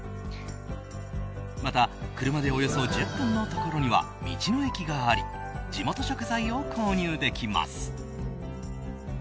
また、車でおよそ１０分のところには道の駅があり地元食材を購入できます。